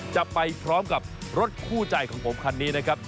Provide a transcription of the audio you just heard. จะไปพร้อมกับรถคู่ใจของผมคันนี้นะครับ